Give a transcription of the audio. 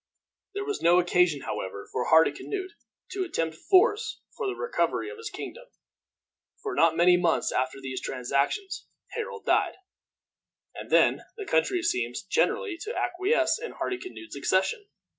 There was no occasion, however, for Hardicanute to attempt force for the recovery of his kingdom, for not many months after these transactions Harold died, and then the country seemed generally to acquiesce in Hardicanute's accession.